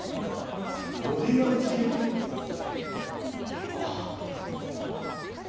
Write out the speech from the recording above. ボディーガード付き？ああ。